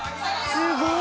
すごい！